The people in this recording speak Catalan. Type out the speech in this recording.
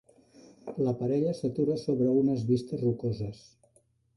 La parella s'atura sobre unes vistes rocoses.